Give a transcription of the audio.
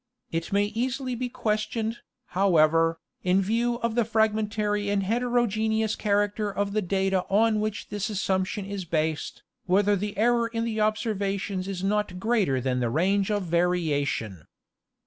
It may easily be questioned, however, in view of the fragmentary and hetero geneous character of the data on which this assumption is based, whether the, error in the observations is not greater than the range of variation.